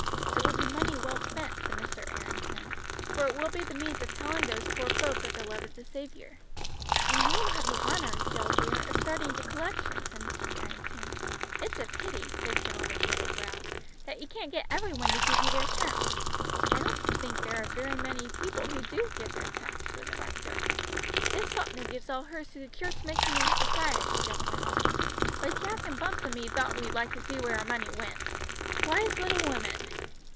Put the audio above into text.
"It will be money well spent," Mr. Errington said, "for it will be the means of telling those poor folk of the love of the Saviour." "And you will have the honour, Jill dear, of starting the collection," said Mrs. Errington. "It's a pity," said Jill with knitted brows, "that you can't get every one to give you their tenth." "I don't think there are many people who do give their tenth," said the rector. "Miss Falkner gives all hers to the Church Missionary Society," Jill went on; "but Jack and Bumps and me thought we'd like to see where our money went." "Wise little woman!"